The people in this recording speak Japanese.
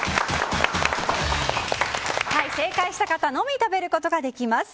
正解した方のみ食べることができます。